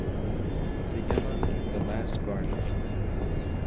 Se llama "The Last Guardian".